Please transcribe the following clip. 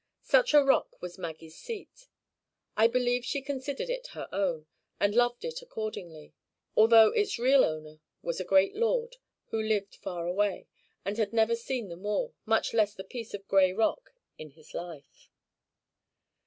Such a rock was Maggie's seat. I believe she considered it her own, and loved it accordingly; although its real owner was a great lord, who lived far away, and had never seen the moor, much less the piece of gray rock, in his life.